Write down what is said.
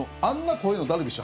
声のダルビッシュ